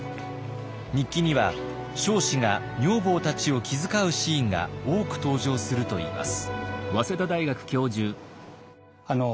日記には彰子が女房たちを気遣うシーンが多く登場するといいます。